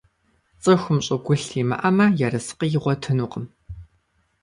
ЦӀыхум щӀыгулъ имыӀэмэ, ерыскъы игъуэтынукъым.